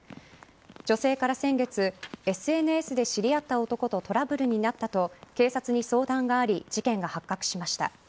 女性から先月ＳＮＳで知り合った男とトラブルになったと警察に相談があり事件が発覚しました。